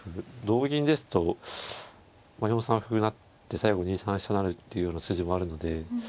同銀ですと４三歩成って最後２三飛車成っていうような筋もあるので。